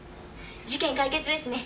事件解決ですね。